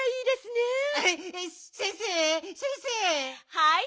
はい。